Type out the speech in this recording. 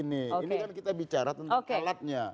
ini kan kita bicara tentang alatnya